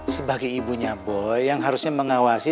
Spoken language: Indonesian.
sebagai ibunya boy yang harusnya mengawasi